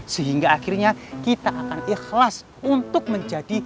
sehingga akhirnya kita akan ikhlas untuk menjadi